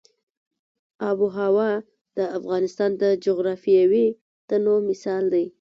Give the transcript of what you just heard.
آب وهوا د افغانستان د جغرافیوي تنوع مثال دی.